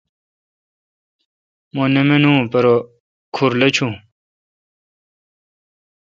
مہ نہ منوم پرہ کُھر لچھون۔